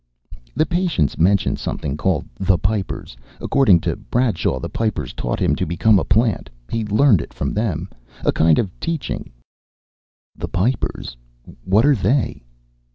"The patients mentioned something called The Pipers. According to Bradshaw, the Pipers taught him to become a plant. He learned it from them, a kind of teaching." "The Pipers. What are they?"